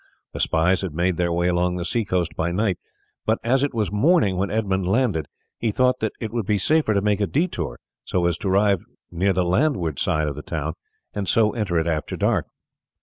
The spies had made their way along the sea coast by night, but as it was morning when Edmund landed, he thought that it would be safer to make a detour so as to arrive near the landward side of the town and so enter it after dark.